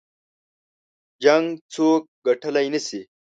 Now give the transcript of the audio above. جـنګ څوك ګټلی نه شي